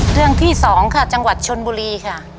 เรื่องที่๒ค่ะจังหวัดชนบุรีค่ะ